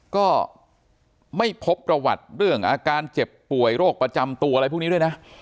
ก็ไม่พบประวัติเรื่องอาการเจ็บป่วยโรคประจำตัวอะไรพวกนี้ด้วยนะ